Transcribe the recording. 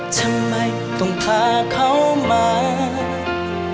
ทำไมต้องพาเขามา